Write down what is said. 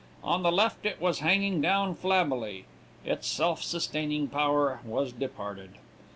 On the left it was hanging down flabbily; its self sustaining power was departed.